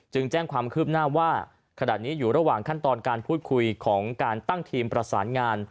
แจ้งความคืบหน้าว่าขณะนี้อยู่ระหว่างขั้นตอนการพูดคุยของการตั้งทีมประสานงาน